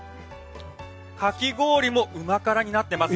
かき氷も旨辛になっています。